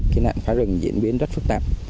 cái nạn phá rừng diễn biến rất phức tạp